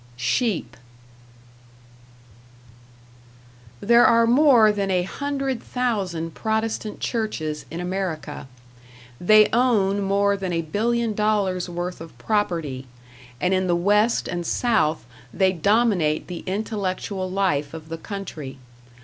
#Sheep# There are more than a hundred thousand Protestant churches in America. They own more than a billion dollars' worth of property, and in the West and South they dominate the intellectual life of the country.